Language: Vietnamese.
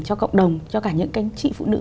cho cộng đồng cho cả những anh chị phụ nữ